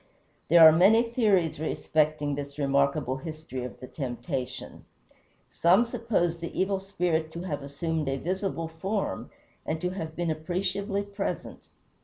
There are many theories respecting this remarkable history of the temptation. Some suppose the Evil Spirit to have assumed a visible form, and to have been appreciably present.